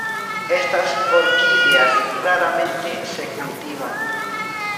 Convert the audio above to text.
Estas orquídeas raramente se cultivan.